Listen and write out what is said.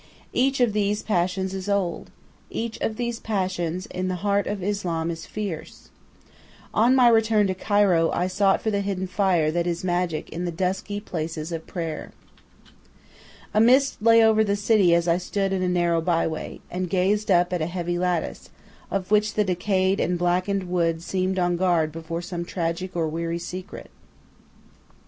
Each of these passions is old, each of these passions in the heart of Islam is fierce. On my return to Cairo I sought for the hidden fire that is magic in the dusky places of prayer. A mist lay over the city as I stood in a narrow byway, and gazed up at a heavy lattice, of which the decayed and blackened wood seemed on guard before some tragic or weary secret.